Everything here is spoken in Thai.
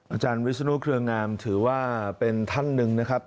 อาจารย์วิศนุเครืองามถือว่าเป็นท่านหนึ่งนะครับ